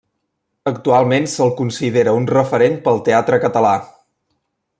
Actualment se'l considera un referent pel teatre català.